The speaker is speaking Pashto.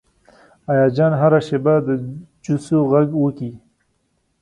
ایاز جان هره شیبه د جوسو غږ وکړي.